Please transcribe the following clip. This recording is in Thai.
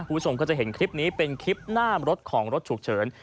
คุณผู้ชมก็จะเห็นคลิปนี้เป็นคลิปหน้ารถของรถฉุกเฉิน